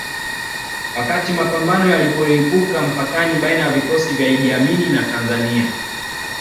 Wakati mapambano yalipolipuka mpakani baina ya vikosi vya Idi Amini na Tanzania